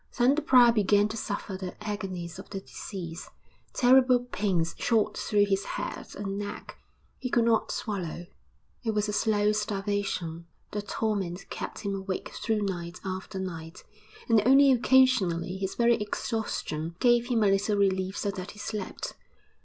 Then the prior began to suffer the agonies of the disease, terrible pains shot through his head and neck; he could not swallow. It was a slow starvation; the torment kept him awake through night after night, and only occasionally his very exhaustion gave him a little relief so that he slept.